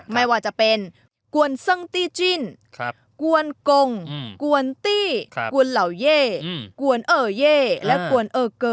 ในเวลาจะเป็น